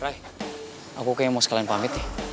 ray aku kayaknya mau sekalian pamit ya